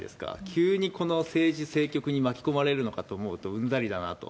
急にこの政治、政局に巻き込まれるのかと思うと、うんざりだなと。